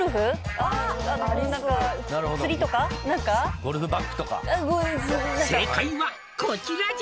何か釣りとかゴルフバッグとか「正解はこちらじゃ」